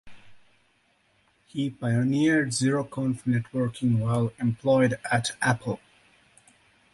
He pioneered Zeroconf networking while employed at Apple.